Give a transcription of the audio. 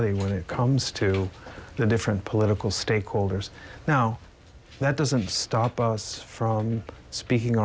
พวกเราไม่แสนบัตรแต่ก็แสนการสินค้าดี